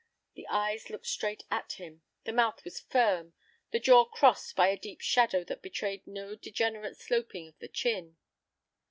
The eyes looked straight at him, the mouth was firm, the jaw crossed by a deep shadow that betrayed no degenerate sloping of the chin.